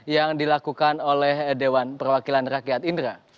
yang dilakukan oleh dewan perwakilan rakyat indra